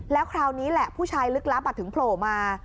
แล้วคราวนี้แหละผู้ชายลึกลับถึงโผล่มา